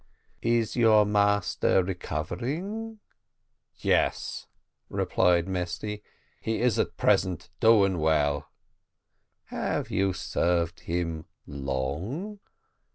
"Is your master recovering?" "Yes," replied Mesty, "he is at present doing well." "Have you served him long?"